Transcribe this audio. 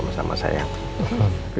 dadah rena sayang